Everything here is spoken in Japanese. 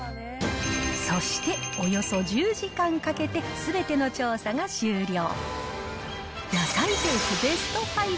そして、およそ１０時間かけて、すべての調査が終了。